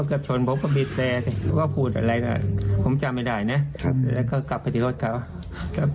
อะไรนะครับผมจำไม่ได้นะแล้วก็กลับไปที่รถครับ